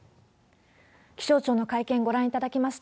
気象庁の会見、ご覧いただきました。